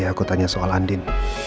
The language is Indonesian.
aku tanya soal andin